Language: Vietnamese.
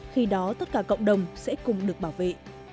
khi đó tất cả cộng đồng sẽ cùng được bảo vệ